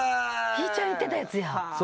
ひぃちゃん言ってたやつや。